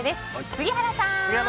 杉原さん！